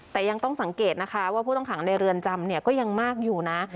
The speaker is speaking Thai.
แต่ยังต้องสังเกตนะคะว่าผู้ต้องขังในเรือนจำเนี่ยก็ยังมากอยู่นะ